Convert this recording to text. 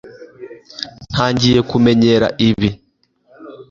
ntangiye kumenyera ibi